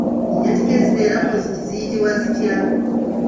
Enjatika ezibeera mu nzigi ziyitibwa zitya?